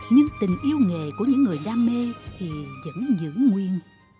nhưng tình yêu nghề của những người đam mê thì vẫn giữ nguyên